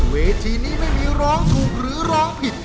เวทีนี้ไม่มีร้องถูกหรือร้องผิด